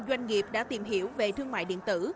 có năm mươi doanh nghiệp đã tìm hiểu về thương mại điện tử